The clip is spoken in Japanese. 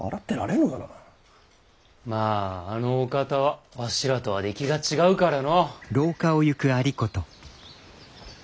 まぁあのお方はわしらとは出来が違うからの。